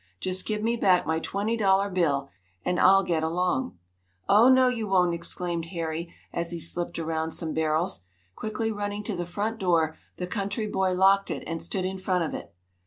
Just give me back my twenty dollar bill, and I'll get along." "Oh, no, you won't!" exclaimed Harry, as he slipped around some barrels. Quickly running to the front door, the country boy locked it, and stood in front of it.